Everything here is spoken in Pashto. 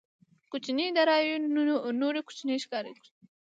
کوچنيې داراییو نورې کوچنۍ ښکاري.